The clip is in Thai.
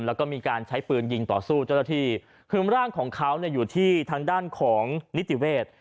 แล้วก็มีการใช้ปืนยิงต่อสู้เจ้าหน้าที่คือร่างของเขาเนี่ยอยู่ที่ทางด้านของนิติเวศ